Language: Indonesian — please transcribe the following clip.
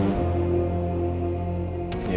tidak ada yang bisa diberikan